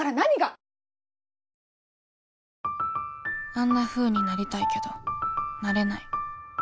あんなふうになりたいけどなれない